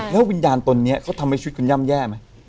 แล้ววิญญาณตนนี้เขาทำให้ชีวิตคุณย่ำแย่ไหม